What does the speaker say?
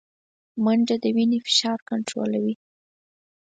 منډه د فشار وینې کنټرولوي